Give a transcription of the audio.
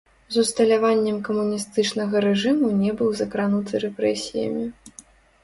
З усталяваннем камуністычнага рэжыму не быў закрануты рэпрэсіямі.